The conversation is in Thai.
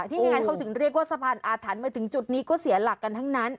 ยังไงเขาถึงเรียกว่าสะพานอาถรรพ์มาถึงจุดนี้ก็เสียหลักกันทั้งนั้น